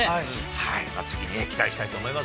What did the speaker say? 次に期待したいと思います。